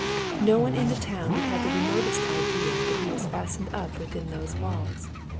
No one in the town would have the remotest idea that he was fastened up within those walls.